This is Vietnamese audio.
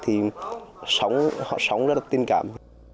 họ sống rất tình cảm